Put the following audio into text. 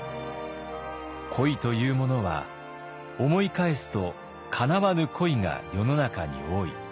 「恋というものは思い返すとかなわぬ恋が世の中に多い。